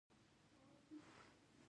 د ایران ځنګلونه ساتل کیږي.